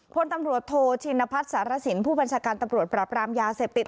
พลตำรวจโทชินพัฒน์สารสินผู้บัญชาการตำรวจปราบรามยาเสพติด